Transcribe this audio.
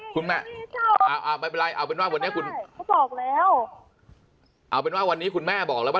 คุณแม่เอาเป็นว่าวันนี้คุณเอาเป็นว่าวันนี้คุณแม่บอกแล้วว่า